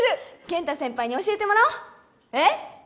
健太先輩に教えてもらおうえっ！？